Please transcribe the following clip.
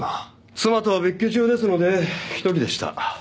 妻とは別居中ですので１人でした。